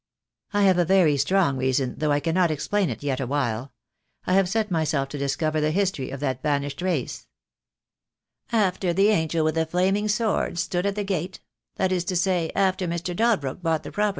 "I have a very strong reason, though I cannot explain it yet awhile. I have set myself to discover the history of that banished race." "After the angel with the naming sword stood at the gate — that is to say, after Mr. Dalbrook bought the pro THE DAY WILL COME.